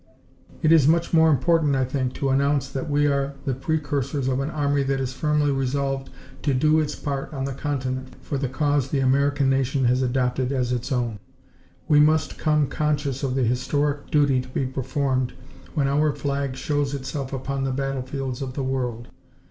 "It is much more important, I think, to announce that we are the precursors of an army that is firmly resolved to do its part on the Continent for the cause the American nation has adopted as its own. We come conscious of the historic duty to be performed when our flag shows itself upon the battle fields of the world.